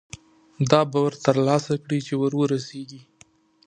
دا باور ترلاسه کړي چې وررسېږي.